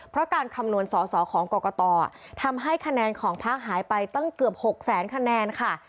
เพราะการคำนวณสอสอของกรกตทำให้คะแนนของพักหายไปตั้งเกือบ๖แสนคะแนนค่ะ